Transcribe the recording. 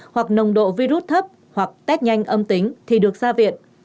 hoặc nồng độ virus thấp hoặc test nhanh âm tính thì được ra viện